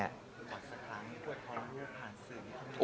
ก่อนสักครั้งเพื่อท้อนลูกผ่านสื่อ